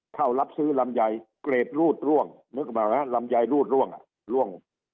เข้ารับซื้อลำใหญ่เกรดรูดร่วงลำใหญ่รูดร่วงร่วง